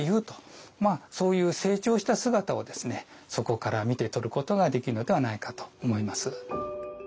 そういう成長した姿をそこから見て取ることができるのではないかと思います。